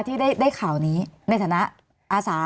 มีความรู้สึกว่ามีความรู้สึกว่า